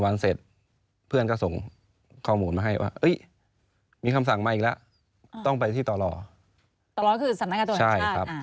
ตลอคือสนักการตัวแหญ่ชาติอ่าสิใช่ครับ